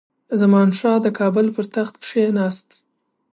زمانشاه د کابل پر تخت کښېناست.